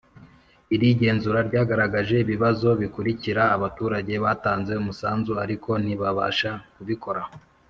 Iri genzura ryagaragaje ibibazo bikurikira abaturage batanze umusanzu ariko ntibabasha kubikora